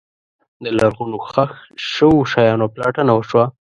د لرغونو ښخ شوو شیانو پلټنه وشوه.